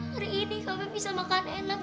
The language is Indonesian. hari ini kami bisa makan enak dan berkasi